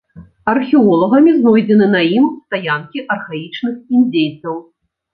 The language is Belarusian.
Археолагамі знойдзены на ім стаянкі архаічных індзейцаў.